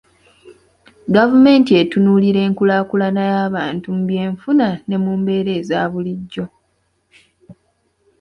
Gavumenti etunuulira enkulaakulana y'abantu mu byenfuna ne mu mbeera eza bulijjo.